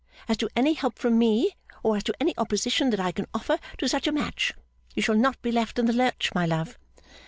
As to any help from me, or as to any opposition that I can offer to such a match, you shall not be left in the lurch, my love.